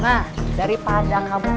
nah daripada kamu